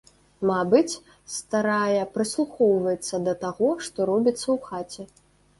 Мабыць, старая прыслухоўваецца да таго, што робіцца ў хаце.